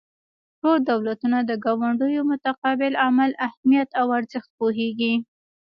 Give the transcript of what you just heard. ټول دولتونه د ګاونډیو متقابل عمل اهمیت او ارزښت پوهیږي